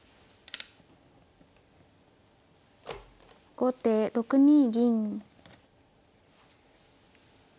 後手６二銀。